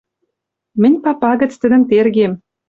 Мӹнь папа гӹц тӹдӹм тергем